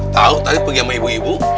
tau tadi pergi sama ibu ibu